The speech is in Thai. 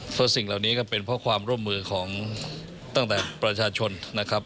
เพราะสิ่งเหล่านี้ก็เป็นเพราะความร่วมมือของตั้งแต่ประชาชนนะครับ